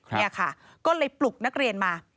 นี่ค่ะก็เลยปลุกนักเรียนมา